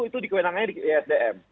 itu dikewenangannya di esdm